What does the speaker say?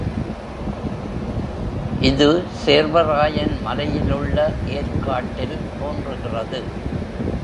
இது சேர்வராயன் மலையிலுள்ள ஏர்க்காட்டில் தோன்றுகிறது.